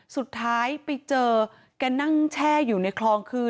สุดท้ายไปเจอแกนั่งแช่อยู่ในคลองคือ